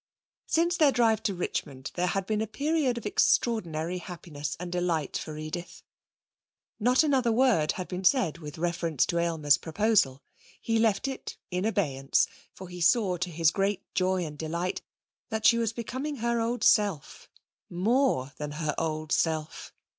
Since their drive to Richmond there had been a period of extraordinary happiness and delight for Edith. Not another word had been said with reference to Aylmer's proposal. He left it in abeyance, for he saw to his great joy and delight that she was becoming her old self, more than her old self.